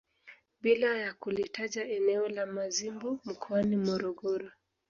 Bila ya kulitaja eneo la Mazimbu mkoani Morogoro